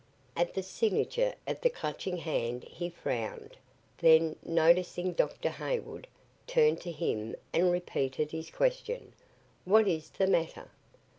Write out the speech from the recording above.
At the signature of the Clutching Hand he frowned, then, noticing Dr. Hayward, turned to him and repeated his question, "What is the matter?"